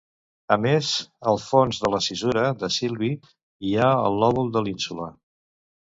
A més, al fons de la cissura de Silvi hi ha el lòbul de l'ínsula.